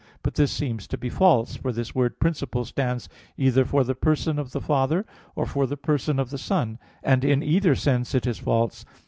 But this seems to be false; for this word "principle" stands either for the person of the Father, or for the person of the Son; and in either sense it is false.